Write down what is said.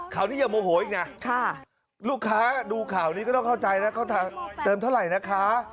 อย่าโมโหอีกนะลูกค้าดูข่าวนี้ก็ต้องเข้าใจนะเขาเติมเท่าไหร่นะคะ